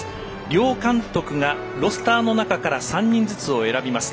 両監督がロスターの中から３人ずつを選びます。